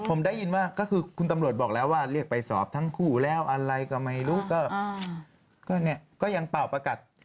ผมได้ยินว่าก็คือคุณตำรวจบอกแล้วว่าเรียกไปสอบทั้งคู่แล้วอะไรก็ไม่รู้ก็เนี่ยก็ยังเป่าประกัด